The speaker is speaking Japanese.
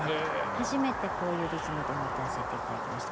初めてこういうリズムでは歌わせて頂きました。